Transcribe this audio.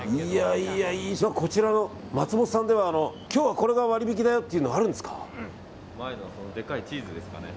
こちらの松本さんでは今日はこれが割引だよっていうのあるんですか？